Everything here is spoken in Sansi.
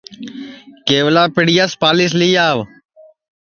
کیولا پِٹیاس پالِیس لی آو